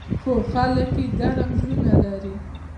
خو خلک یې ګرم زړونه لري.